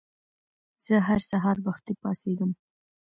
زه هر سهار وختي پاڅېږم.